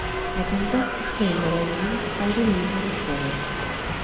I can best explain what I mean by relating a story.